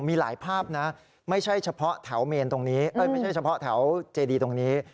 มีหลายภาพนะไม่ใช่เฉพาะแถวเจดีตรงนี้